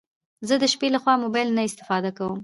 زه د شپې لخوا موبايل نه استفاده کوم